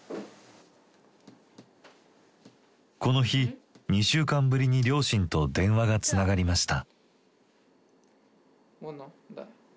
この日２週間ぶりに両親と電話がつながりました。